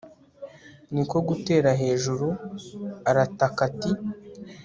ni ko gutera hejuru aratakati